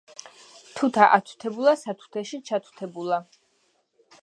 თუთა ათუთებულა სათუთეში ჩათუთებულა